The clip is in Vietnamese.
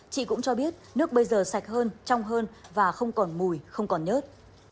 chị cũng cho biết nước bây giờ sạch hơn trong hơn và không còn mùi không còn nhớt